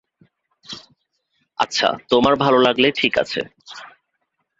আচ্ছা, তোমার ভালো লাগলে, ঠিক আছে।